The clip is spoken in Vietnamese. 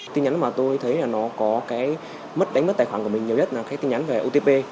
tin nhắn mà tôi thấy là nó có cái mất đánh mất tài khoản của mình nhiều nhất là cái tin nhắn về otp